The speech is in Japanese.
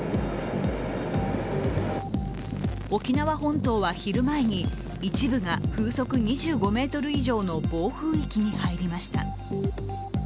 沖縄本島は昼前に一部が風速２５メートル以上の暴風域に入りました。